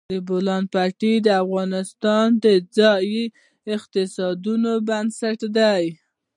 د بولان پټي د افغانستان د ځایي اقتصادونو بنسټ دی.